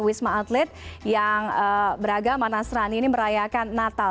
wisma atlet yang beragama nasrani ini merayakan natal